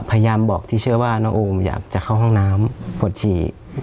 พยายามบอกที่เชื่อว่าน้องโอมอยากจะเข้าห้องน้ำปวดฉี่